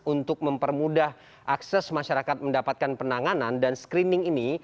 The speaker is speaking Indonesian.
untuk mempermudah akses masyarakat mendapatkan penanganan dan screening ini